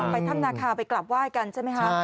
ไปถ้ำนาคาไปกลับไหว้กันใช่ไหมคะ